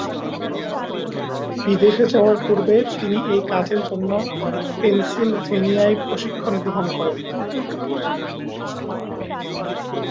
বিদেশ যাওয়ার পূর্বে তিনি এই কাজের জন্য পেন্সিলভেনিয়ায় প্রশিক্ষণ গ্রহণ করেন।